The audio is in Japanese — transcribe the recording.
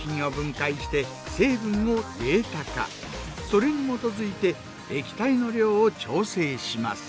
それに基づいて液体の量を調整します。